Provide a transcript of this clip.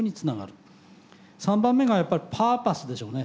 ３番目がやっぱりパーパスでしょうね。